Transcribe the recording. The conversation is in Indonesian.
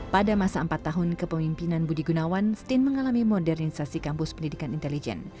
pada masa empat tahun kepemimpinan budi gunawan stin mengalami modernisasi kampus pendidikan intelijen